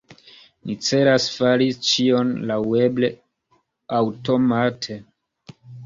Ni celas fari ĉion laŭeble aŭtomate.